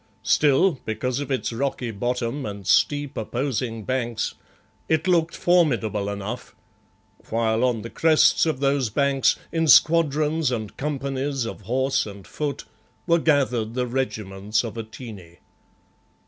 Still, because of its rocky bottom and steep, opposing banks, it looked formidable enough, while on the crests of those banks, in squadrons and companies of horse and foot, were gathered the regiments of Atene.